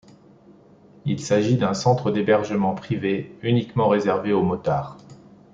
Il s'agit d'un centre d'hébergement privé uniquement réservé aux Motards.